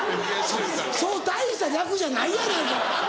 そう大した略じゃないやないか。